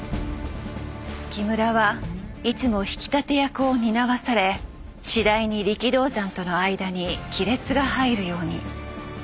木村はいつも引き立て役を担わされ次第に力道山との間に亀裂が入るように。